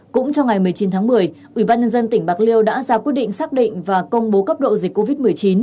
cũng trong ngày một mươi chín tháng một mươi ubnd tỉnh bạc liêu đã ra quyết định xác định và công bố cấp độ dịch covid một mươi chín